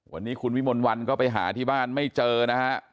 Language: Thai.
วันนี้คุณวิมลวันก็ไปหาที่บ้านไม่เจอนะฮะ